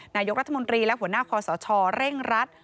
นายกรัฐมนตรีและหัวหน้าคอสชเร่งรัด